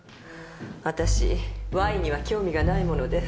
私ワインには興味がないもので。